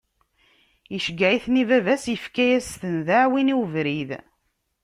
Iceggeɛ-iten i baba-s, ifka-as-ten d aɛwin i ubrid.